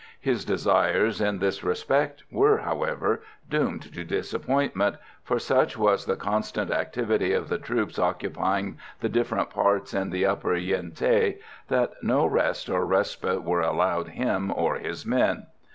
His desires in this respect were, however, doomed to disappointment, for such was the constant activity of the troops occupying the different parts in the upper Yen Thé that no rest or respite were allowed him or his men.